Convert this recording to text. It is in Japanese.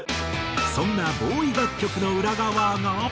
そんなＢＯＷＹ楽曲の裏側が。